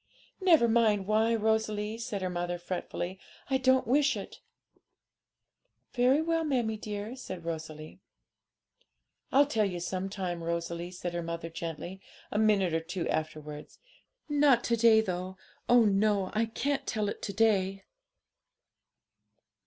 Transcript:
'Never mind why, Rosalie,' said her mother fretfully; 'I don't wish it.' 'Very well, mammie dear,' said Rosalie. 'I'll tell you some time, Rosalie,' said her mother gently, a minute or two afterwards; 'not to day, though; oh no! I can't tell it to day.'